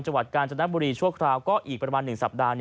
จังหวัดกาญจนบุรีชั่วคราวก็อีกประมาณ๑สัปดาห์